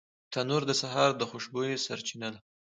تنور د سهار د خوشبویۍ سرچینه ده